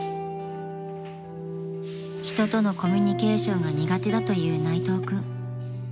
［人とのコミュニケーションが苦手だという内藤君］